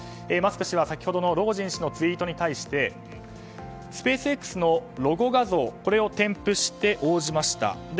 マスク氏は先ほどのロゴジン氏のツイートに対してスペースＸのロゴ画像を添付して応じました。